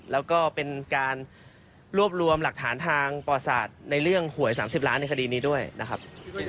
แล้วก็เป็นการรวบรวมหลักฐานทางประสาทในเรื่องหวย๓๐ล้านในคดีนี้ด้วยนะครับ